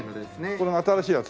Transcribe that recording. これが新しいやつ？